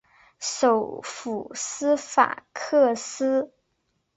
首府斯法克斯。